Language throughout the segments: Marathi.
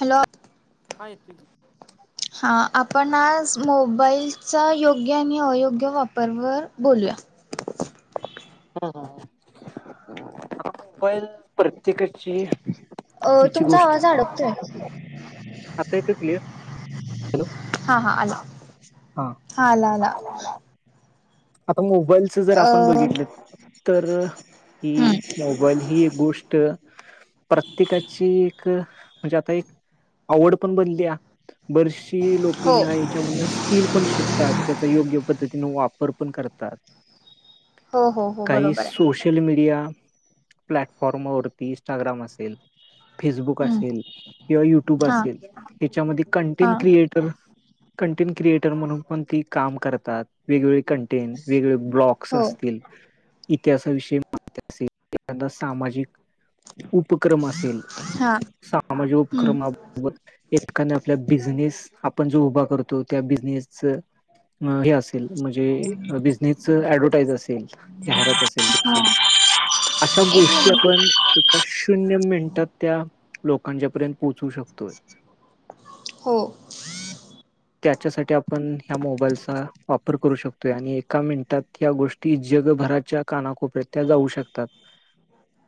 हॅलो. हा येतोय की. हा आपण आज मोबाईलचा योग्य आणि अयोग्य वापरवर बोलूया. [unintelligible] मोबाईल. प्रत्येकाची हिची गोष्ट. काडतोय. [inaudible] आता येतो क्लियर. हा हा आला हा आला आला. आता मोबाईलचं जर आपण अ बघितलं. तर हम्म ही मोबाईल ही गोष्ट. प्रत्येकाची एक म्हणजे आता एक आवड पण बनल्या बर शी. ही लोकं हो हया याच्यामधंन स्किल पण शिकतात. त्यांचा योग्य पद्धतीनं वापर. पण करतात हो हो हो काही बरोबर आहे सोशल. सोशल मीडिया प्लॅटफॉर्मवरती इंस्टाग्राम असेल. फेसबुक हम्म असेल किंवा युट्यूब हा असेल हेच्यामध्ये हा कंटेंन क्रिएट. तर कंटेंट क्रिएटर म्हणून पण त काम करतात. वेगवेगळे कंटे वेगवेगळे ब्लॉकस हो असतील. इतिहासाविषयी माहिती असेल एखादा सामाजिक. उपक्रम असेल हा सामाजिक हम्म उपक्रम. एकाने आपला बिझनेस आपण जो उभा करतो. तो त्या बिझनेसच हे असेल म्हणजे, बिझनेस ऍडव्हटाईज असेल जाहिरात असेल. हा अशा एक गोष्टी मिनिट आपण एका शून्य मिनिटांत. त्या लोकांच्या पर्यंत पोहचू शकतोय. हो. त्याच्यासाठी आपण ह्या मोबाईलचा वापर करू शकतोय आणि एका मिनिटात या गोष्टी जगभराच्या कानाकोपर्यात्या जाऊ शकतात.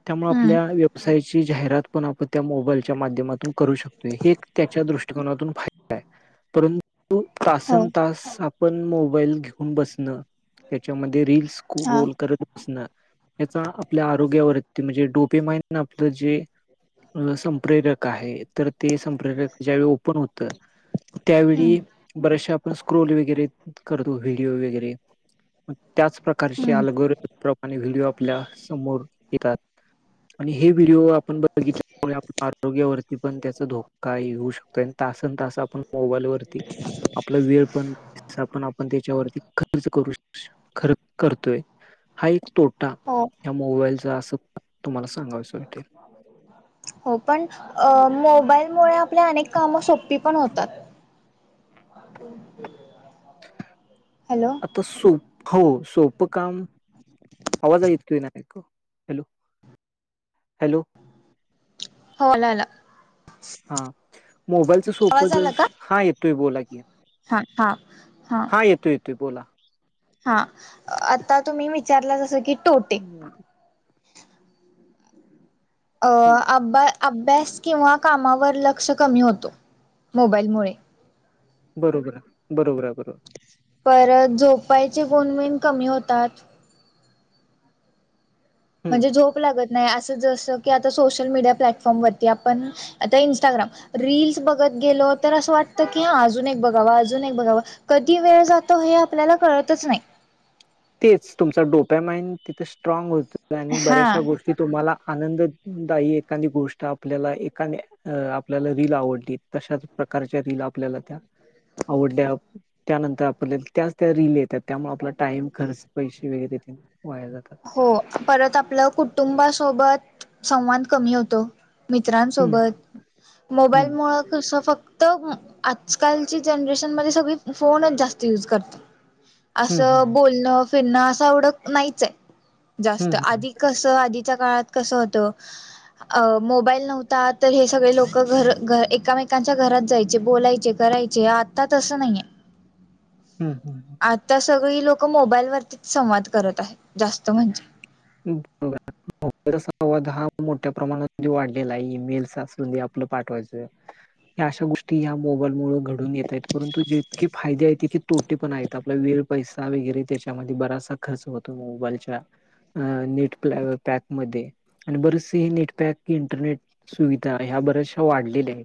त्यामुळ हम्म आपल्या व्यवसायाची जाहिरात पण आपण त्या मोबाईलच्या माध्यमातून करू शकतोय हे एक त्याच्या दृष्टकोनातून फायदा आहे परंतु हो तासनं तास आ पण मोबाईल घेऊन बसणं त्याच्यामध्ये रिल्स हा स्क्रोल करत असण याचा आपल्या आरोग्यावरती म्हणजेच डोपेमाइन आपलं जे संप्रेरक आहे तर ते संप्रेरक ज्यावेळी ओपन होतं. हम्म त्यावेळी बरेचशे आपण स्क्रोल वगैरे करतो व्हिडीओ वगैरे त्याच प्रकारची हम्म अलगर प्रकारचे व्हिडिओ आपल्या समोर येतात. आणि हे व्हिडिओ आपण बघितल्यामुळे आपल्या आरोग्यावरती पण त्याचा धोक काही होव शकतेतासन तास आपण मोबाईलवरती आपला वेळ पण पण आपण त्याच्यावरती खर्च करू शको. खरं करतोय. हा एक तोटा हो ह्या मोबाईलचा असं तुम्हाला सांगा वसावाटेल. हो पण अ मोबाईलमुळे आपले अनेक कामं सोपी पण होतात. ह [unintelligible] हॅलो! आता सोप हो सोपं काम आवाज आहे हलो हॅलो! हो आला आला. हा मोबाईलच सोपं आवाज ज आला का? हा येतोय बोला हा हा हा. हां येतो येतोय बोला. हा आता तुम्ही विचारला जसं की टोटे हम्म, अ हम्म. अ -अभ्यास किंवा कामावर लक्ष कमी होतो मोबाईलमुळे. बरोबर आहे बरोबर आहे बरोबर. परत झोपायचे गुणवेन कमी होतात. हम् म्हणजे झोप लागत नाही असं जसं की आता सोशल मीडिया प्लॅटफॉर्म वरती आपण आता इंस्टाग्राम रिल्स बघत गेलो तर असं वाटतं की हा अजून एक बघाव अजून एक बघाव. कधी वेळ जातो हे आपल्याला कळतच नाही. तेच तुमचा डोप्या माइंड तिथे स्ट्राग होतो आणि हा बऱ्याचशा गोष्टी की तुम्हाला आनंददायी एखादी गोष्ट आपल्याला एखाद्या आपल्याला रील आवडली. तशा प्रकारच्या रील आपल्याला त्या. आवडल्या त्यानंतर आपल्या त्याच त्या रील येतात त्यामुळे आपला टाइम खर्च पैसे वेगैरे वाया जातात. हो परत आपलं कुटुंबासोबत संवाद कमी होतो. हम्म मित्रांसोबत हम्म मोबाईल मुळ कसं फक्त आजकालची जनरेशनमध्येध्ये सगळी फोनच जास्त युज करतात. [inaudible] असं बोलणं फिरणं असं एवढं नाहीच आहे. जास्त हम्म आधी कसं आधीच्या काळात कसं होतं. अ मोबाईल नव्हता तर हे सगळे लोक घरर एकामेकांच्या बोलायचे करायचे. जे आता तसं नाहीये. हम. आता सगळी लोक मोबाईल वरतीच संवाद करत आहेत जास्त म्हणजे. ब. [unintelligible] मोलचा संवाद हा मोठ्या प्रमाणामध्ये वाढलेला आहे. ईमेल्स असू दे आपलं पाठवायचं. या अशा गोष्टी या मोबाईलमुळ घडून येत आहेत. परंतु जितके फाये आहेत तितके. तोटे पण आहेत. आपला वेळ पैसा वगैरे तेच्यामध्ये बरासा खर्च होतो मोबाईलच्या. अ नेट प पॅकमध्ये. आणि बरेचसे नेटपॅक इंटरनेट सुविधा ह्या बऱ्याचशा वाढलेल्या आहेत.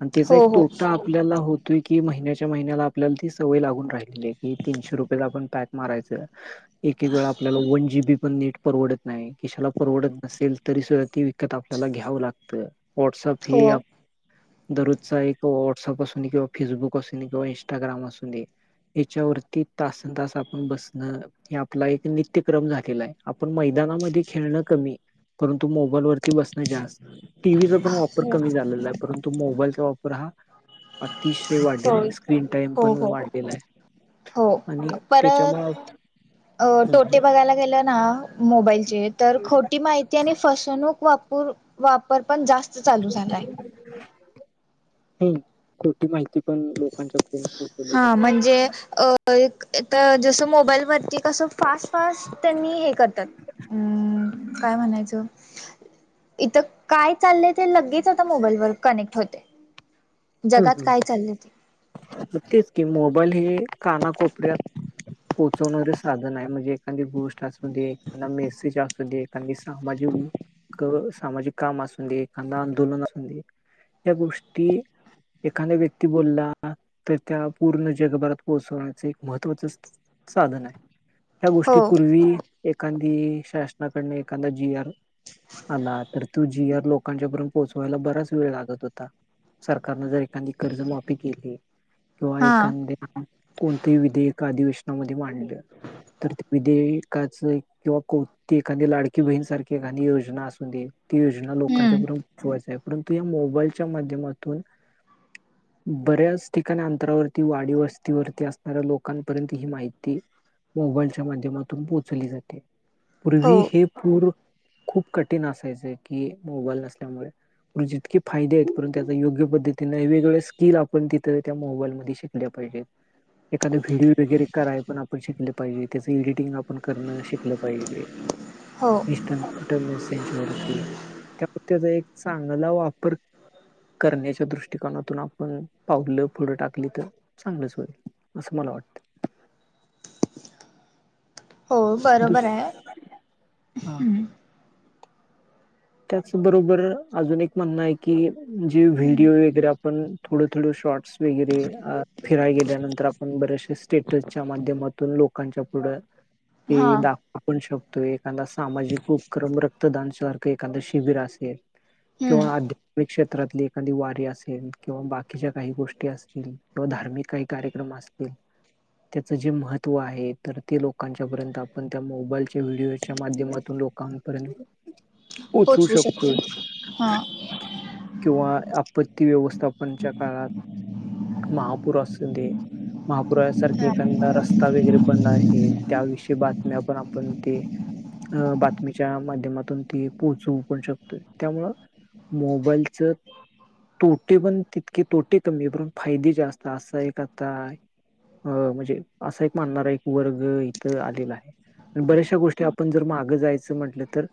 आणि त्यांचा एक हो हो तोटा. आपल्याला होतोय की महिन्याच्या महिन्याला आपल्याला ती सवय लागून राहिलेली आहे. की तीनशे रुपयेचा आपण पॅक मारायच. एक एक वेळा आपल्याला वन जी बी. नेट परवडत नाही. किशाला परवडत नसेल तरी सुद्धा ती विकत आपल्याला घ्यावं लागत. व्हॉट्सॲप हे. हो दररोजचा एक व्हॉट्सअप असून दे किंवा फेसबुक असून दे किंवा इंस्टाग्राम असून दे. याच्यावरती तासन तास आपण बसणं. हे आपला एक नित्यक्रम झालेला आहे. आपण मैदानामध्ये खेळणं कमी परंतु मोबाईलवर. ती बसणं जास्त टीव्हीचा पण वापर कमी झालेला आहे परंतु मोबाईलचा वापर हा. अतिशय वाढलेला हो आहे. स्क्रीन टाईम हो पण हो वाढलेला आहे. हो आणि परत त्याच्यामुळे तोटे बघायला गेलं ना. मोबाईलचे तर खोटी माहि त्याने फसवणूक वापूर वापर पण जास्त चालू झालाय. हम. खोटी माहिती पण लोकांच्या पर्यंत पोहोचवली जाते. एक ता जसं मोबाईलवरती कसं. फास्ट फास्ट त्यांनी हे करतात अ काय म्हणायचं. इथं काय चाललंय ते लगेच आता मोबाईल वर कनेक्ट होते. हम्म, जगात हम्म. काय चाललं ते. तेच कि मोबाईल हे कानाकोपऱ्यात. पोहोचवणारे साधन आहे. म्हणजे एखादी गोष्ट असू दे. त्यांना मेसेज असुनदे एखन दी सामाजिक. सामाजिक काम असून दे. एखादा आंदोलन असून दे या गोष्टी. एखाद्या व्यक्ती बोलला तर त्या पूर्ण जगभरात पोहोचवण्याचं एक महत्त्वाच. साधन आहे. त्या हो गोष्टीपूर्वी एखादी शासनाकडून एखादा जी आर. आला तर तू जी आर लोकांच्या पर्यंत पोहोचवायला बराच वेळ लागत होता जर एखादी कर्ज माफी केली. किंवा हां एखादं, कोणतंही विधेयका अधिवेशनामध्ये मांडलं तर विधेयकाच.. किंवा कोती एखादी लाडकी बहीणसारखी एखादी योजना असून दे. ती योजना लोकांच्या हम्म पुढ पोचवायच आहे. परंतु या मोबाईलच्या माध्यमातून. बऱ्याच ठिकाणी अंतरावरती वाडी वस्तीवरती असणाऱ्या लोकांपर्यंत ही माहिती. ‌ मोबाईलच्या माध्यमातून पोहोचली जाते. हो पूर्वी हे पूर. खूप कठीण असायचं की ‌, मोबाईल नसल्यामुळे जितके फायदे आहेत परंतु त्यांचा योग्य पद्धतीन वेगवेगळ्या स्किल आपण तिथ त्या मोबाईलमध्ये शिकल्या पाहिजेत. एखादा व्हिडीओ वगैरे कराय पण आपण शिकलं पाहिजे. त्याचं एडिटिंग पण आपण करणं शिकलं पाहिजे ते. [inaudible] हो. तो मेसेंज वरती त्या, त्यांचा एक चांगला वापर. करण्याच्या दृष्टिकोनातून आपण पावलं पुढं टाकली तर चांगलंच होईल असं मला वाटतं. हो बरोबर दुस आहे हा हम. त्याचबरोबर अजून एक म्हणणं आहे की जे हम्म व्हिडिओ वगैरे आपण थोडं थोडं शॉर्ट्स वगैरेअ फिरायला गेल्यानंतर आपण बरेच श्य स्टेटसच्या माध्यमातून लोकांच्या पुढं हा ते दाखण शकतो एखादा सामाजिक उपक्रम रक्तदान सारख एखाद शिबिर असेल हम्म किंवा क्षेत्रातली एखादी वारी असेल किंवा बाकीच्या काही गोष्टी. किंवा धार्मिक काही कार्यक्रम असतील. त्याच जे महत्त्व आहे तर ते लोकांच्या पर्यंत आपण त्या मोबाईलच्या व्हिडिओच्या माध्यमातून लोक लोकापर्यंत पोचवू शकतोय. हा. किंवा आपत्ती व्यवस्थापनच्या काळात महापुर असु दे. महापुरा्यासारखे हा. एखादा रस्ता वगैरे बंद आहे त्याविषयी बातम्या पण आपण ते बातमीच्या माध्यमातून ती पोहोचवू पण शकतोय त्यामुं ळ मोबाईलच तोटे पण तितके तोटे कमी आहे प ण फायदे जास्त असं आहे आता अ म्हणजे असा एक मानणारा एक वर्ग इथं आलेला आहे. बऱ्याचशा गोष्टी आपण जर मागं जायचं म्हटलं तर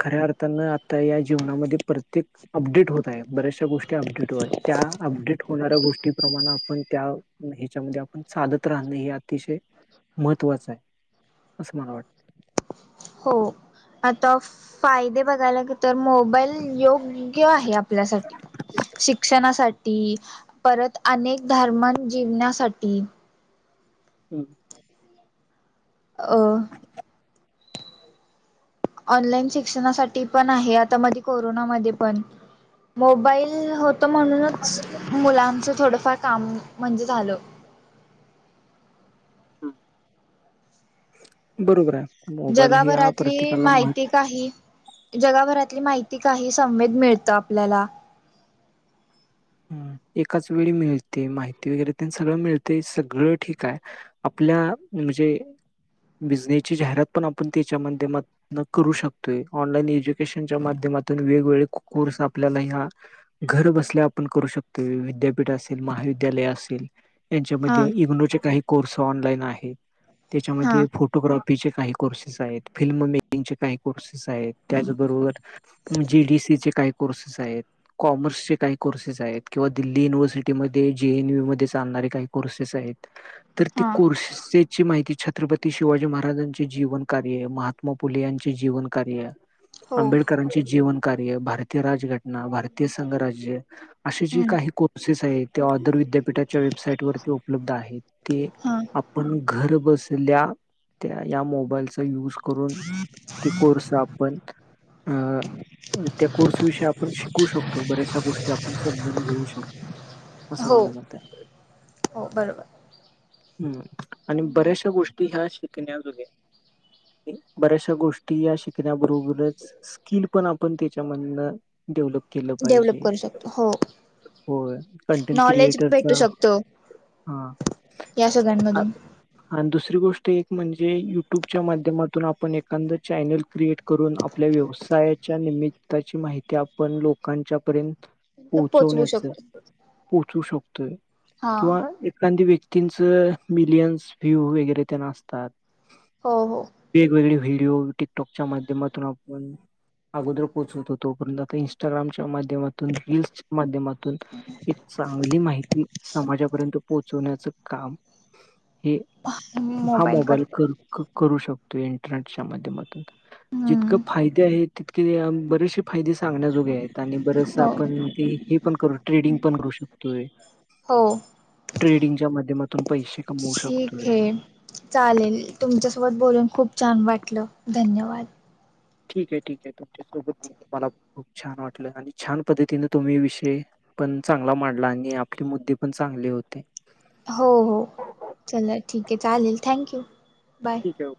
खऱ्या अर्थानं आता या जीवनामध्ये प्रत्येक अपडेट होत आहे. बऱ्याचशा गोष्टी अपडेट होतय त्या अपडेट होणाऱ्या गोष्टीप्रमाणे आपण त्या ह्याच्यामध्ये आपण चालत राहणें हे अतिशय महत्त्वाचं आहे असं मला वाटत. हो आता फायदे बघायलाग तर मोबाईल योग योग्य आहे आपल्यासाठी शिक्षणासाठी परत अनेक धर्म जीण्यासाठी. हं. अ ऑनलाईन शिक्षणासाठी पण आहे आता मध्ये कोरोनामध्ये पण मोबाईल तर म्हणूनच मुलांचं थोडंफार काम म्हणजे झालं. बरोबर आहे. मोबाईल हे हा जगाभरातली प्रत्येकाला महत् माहिती काही जगाभरातली माहिती काही संवेद मिळत आपल्याला. हम् एकाच वेळी मिळते माहिती वगैरे त्यांना सगळं मिळते सगळं ठीक आहे. आपल्या म्हणजे बिझनेसची जाहिरात पण आपण त्याच्या माध्यमात करू शकतोय. ऑनलाईन एज्युकेशनच्या माध्यमातून वेगवेगळे कोर्स आपल्याला ह्या घर बसल्या करू शकतोय. विद्यापीठ असे ल मविद्यालय हा असेच्यामध्ये इनोर काही. कोर्स ऑनलाईन आहे हा त्याच्यामध्ये फोटो फोटोग्राफीचे काही कोर्सेस आहेत, फिल्म मेकिंगचे काही कोर्सेस आहेत, त्याचबरोबर जीडीसी चे काही कोर्सेस आहेत, कॉमर्सचे काही कोर्सेस आहेत किंवा दिल्ली युनिव्हर्सिटी मध्ये जेएनयू मध्ये चालणारे काही कोर्सेस आहेत. तर ते हा कोर्सेस ची माहिती छत्रपती शिवाजी महाराजांचे जीवन कार्य आहे, महात्मा फुले यांचे जीवन कार्य आहे, हो आंबेडकरांचेजीवन कार्य, भारतीय राजघटना, भारतीय संघराज्य, असे जे हम्म काही कोर्सेस आहेत ते ओदर विद्यापीठाच्या वेबसाईट वरती उपलब्ध आहेत. ते‌ हा आपण घर बसल्या त्या या मोबाईलचा यूज करून कि कोर्स आपण अ त्या कोर्सविषयी आपण शिकू शकतो, बऱ्याचशा गोष्टी आपण समजण घेऊ शकतो, असं हो माझं मंत आहे‌. हो बरोबर हम्म आणि बऱ्याचशा गोष्टी ह्या शिकण्याजोगे. एक बरेशा गोष्टी या शिक त्याबरोबरच स्किल पण आपण त्याच्यामधनं डेव्हलप केलं डेव्हलप पाहिजे. करू शकतो हो. होय कंटेंट नॉलेज क्रिएटरचा भेटू शकतो हा. या सगळ्यांमधून आणि दुसरी गोष्ट एक म्हणजे युट्युबच्या माध्यमातून आप आपण एखाद चॅनल क्रिएट करून आपल्या व्यवसायाच्या निमित्ताची माहिती आपण लोकांच्या पर्यंत- तर पोचवू पोहोचवण्याच शकतो पोहोचू शकतोय हा किंवा एखादी व्यक्ती तीनच मिलियन्स व्ह्यू वगैरे त्यांना असतात. हो हो. वेगवेगळे व्हिडीओ टिकटॉकच्या माध्यमातून आपण अगोदर पोचवत होत आता इंस्टाग्रामच्या माध्यम रिल्स माध्यमातून एक चांगली माहिती समाजापर्यंत पोहोचण्याच काम हे हा मोबाईल कर- क करू शकतो इंटरनेटच्या माध्यमातून जितक हम्म फायदे आहे त के बरेचसे फायेद सांगण्याजोगे आहेत आणि बरेच हो ते हे पण कर ट्रेडिंग पण करू शकतोय. हो. ट्रेडिंगच्या माध्यमातून पैसे कमवू शकतोय. ठीक आहे चालेल तुमच्यासोबत बोलून खूप छान वाटलं धन्यवाद. ठीक आहे ठीक आहे तुमच्यासोबत बोल मला खूप छान वाटलं आणि छान पद्धतीने तुम्ही विषय पण चांगला मांडला आणि आपली मुद्दे पण चांगले होते. हो हो चला ठीक आहे चालेल थँक्यू बाय. ठेव.